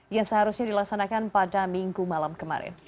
yang seharusnya dilaksanakan pada minggu malam kemarin